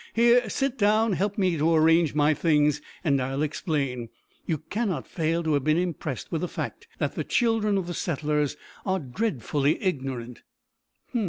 "Here, sit down; help me to arrange my things, and I'll explain. You cannot fail to have been impressed with the fact that the children of the settlers are dreadfully ignorant."